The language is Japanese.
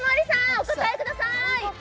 お答えください。